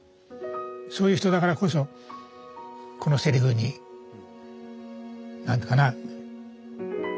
そういう人だからこそこのセリフに何というかな。